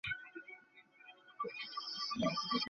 জাকারিয়া বললেন, ধন্যবাদ।